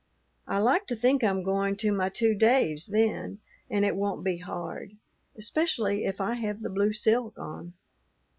I like to think I'm going to my two Daves then; and it won't be hard, especially if I have the blue silk on."